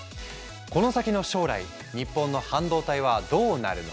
この先の将来日本の半導体はどうなるのか。